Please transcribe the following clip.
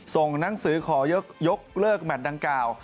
ส่งหนังสือขอยกเลิกแมทดังกล่าว